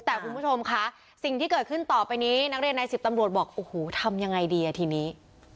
แต่คุณผู้ชมค่ะสิ่งที่เกิดขึ้นต่อไปนี้นักเรียนใน๑๐ตำรวจบอกโอ้โหทำยังไงดีอ่ะทีนี้